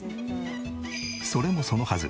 それもそのはず